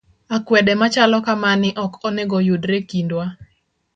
Akwede machalo kamani ok onego yudre e kindwa